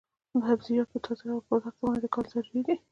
سبزیجات په تازه ډول بازار ته وړاندې کول ضروري دي.